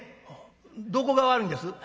「どこが悪いんです？」。